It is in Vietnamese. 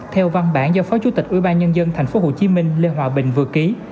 theo văn bản do phó chủ tịch ubnd tp hcm lê hòa bình vừa ký